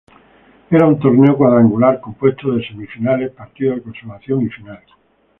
Era un torneo cuadrangular compuesto de semifinales, partido de consolación y final.